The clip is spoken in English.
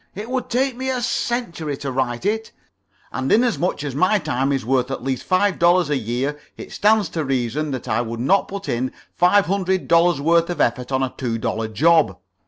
It would take me a century to write it, and inasmuch as my time is worth at least five dollars a year it stands to reason that I would not put in five hundred dollars' worth of effort on a two dollar job.